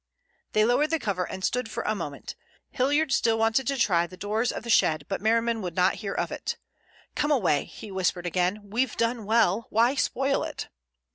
They lowered the cover and stood for a moment. Hilliard still wanted to try the doors of the shed, but Merriman would not hear of it. "Come away," he whispered again. "We've done well. Why spoil it?"